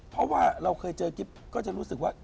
เพราะว่าเราเคยเจอกิ๊บก็จะรู้สึกว่า